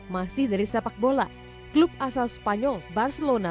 masih dari sepak bola klub asal spanyol barcelona